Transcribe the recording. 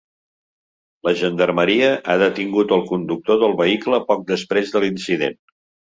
La gendarmeria ha detingut el conductor del vehicle poc després de l’incident.